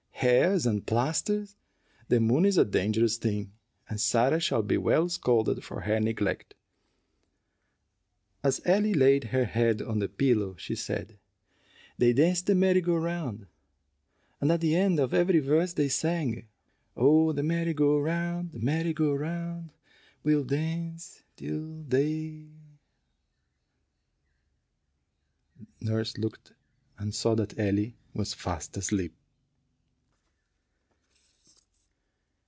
Hares and plasters! The moon is a dangerous thing, and Sarah shall be well scolded for her neglect." As Ellie laid her head on the pillow, she said, "They danced the merry go round, and at the end of every verse they sang, 'Oh, the merry go round, the merry go round, we'll dance till day '" Nurse looked, and saw that little Ellie was fast asleep.